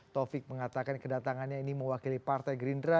taufik mengatakan kedatangannya ini mewakili partai gerindra